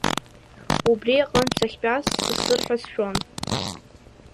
Убри аҟынтә сахьтәаз сҵысыр ҳәа сшәон.